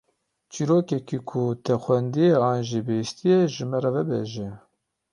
Çîrokeke ku te xwendiye an jî bihîstiye ji me re vebêje.